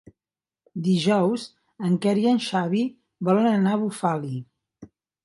Dijous en Quer i en Xavi volen anar a Bufali.